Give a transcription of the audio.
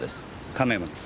亀山です。